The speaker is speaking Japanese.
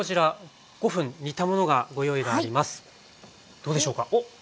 どうでしょうか。